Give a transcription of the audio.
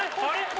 はい。